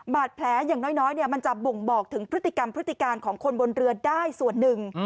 อย่างน้อยมันจะบ่งบอกถึงพฤติกรรมพฤติการของคนบนเรือได้ส่วนหนึ่ง